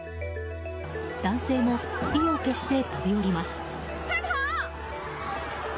男性も、意を決して飛び降ります。